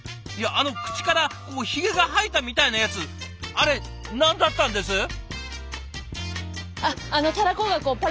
いやあの口からひげが生えたみたいなやつあれ何だったんです？